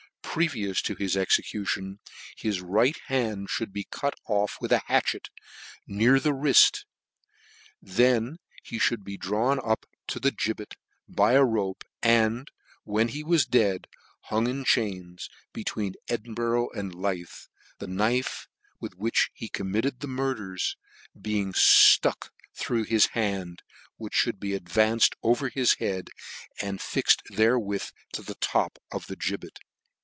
f previous to his execution, his right h nd " fhould be cut off with a hatchet, near the <c wriit j that then he mould be drawn up to the *' gibbet, by a rope, and, when he was dead, " hung in chains between Edinburgh and Leith, the knife with which he committed the mur " ders being ftuck through his hand, which mould " be advanced over his read, and fixed therewith " to the top of the gibbet.."